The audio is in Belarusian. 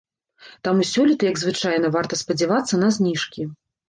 Таму сёлета, як звычайна, варта спадзявацца на зніжкі.